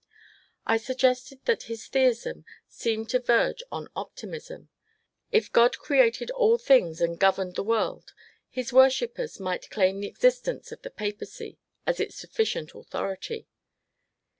I suggested that his theism seemed to verge on optimism : if God created all things and governed the world his worshippers might claim the existence of the Papacy as its sufficient authority.